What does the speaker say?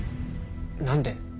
何で？